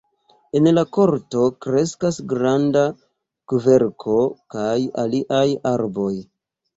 En la korto kreskas granda kverko kaj aliaj arboj.